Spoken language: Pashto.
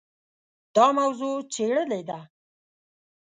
دا موضوع څېړلې ده.